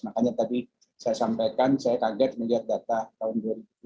makanya tadi saya sampaikan saya kaget melihat data tahun dua ribu dua puluh